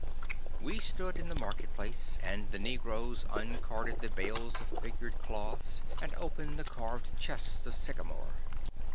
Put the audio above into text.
We stood in the market place, and the negroes uncorded the bales of figured cloths and opened the carved chests of sycamore.